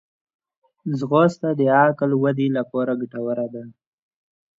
ځغاسته د عقل ودې لپاره ګټوره ده